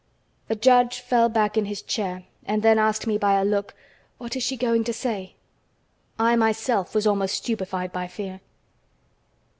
The judge fell back in his chair and then asked me by a look: "What is she going to say?" I, myself, was almost stupefied by fear.